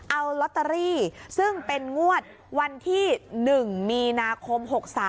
เอาลอตเตอรี่ซึ่งเป็นงวดวันที่๑มีนาคม๖๓